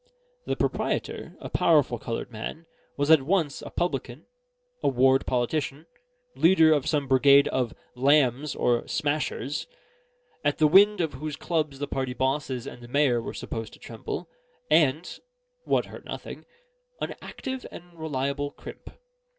The proprietor, a powerful coloured man, was at once a publican, a ward politician, leader of some brigade of "lambs" or "smashers," at the wind of whose clubs the party bosses and the mayor were supposed to tremble, and (what hurt nothing) an active and reliable crimp.